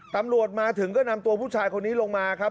ตำรวจมาถึงก็นำตัวผู้ชายคนนี้ลงมาครับ